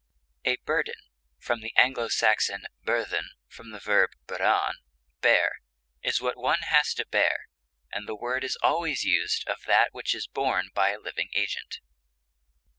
A burden (from the Anglo Saxon byrthen, from the verb beran, bear) is what one has to bear, and the word is used always of that which is borne by a living agent.